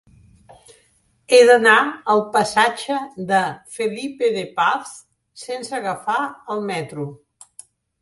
He d'anar al passatge de Felipe de Paz sense agafar el metro.